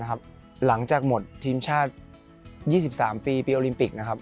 หลังจากหมดทีมชาติ๒๓ปีปีโอลิมปิกนะครับ